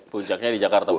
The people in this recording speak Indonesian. puncaknya di jakarta